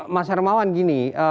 mas hermawan gini